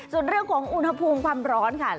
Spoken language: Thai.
ส่วนเรื่องของอุณหภูมิความร้อนค่ะ